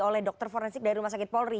oleh dokter forensik dari rumah sakit polri